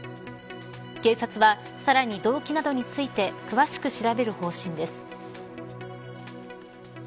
警察は、さらに動機などについて詳しく調べる方針です。